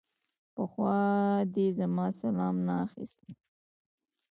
پخوا دې زما سلام نه اخيست.